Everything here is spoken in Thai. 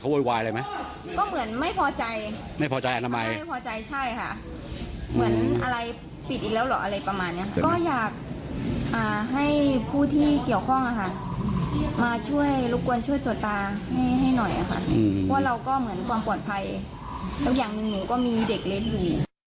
เพราะเราก็เหมือนความปลอดภัยอย่างนึงก็มีเด็กเล่นอยู่